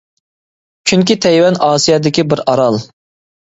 چۈنكى تەيۋەن ئاسىيادىكى بىر ئارال .